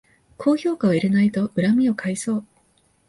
高評価を入れないと恨みを買いそう